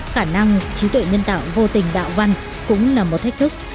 khả năng trí tuệ nhân tạo vô tình đạo văn cũng là một thách thức